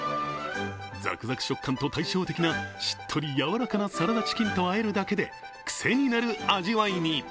ざくざく食感と対照的なしっとり柔らかなサラダチキンとあえるだけでクセになる味わいに。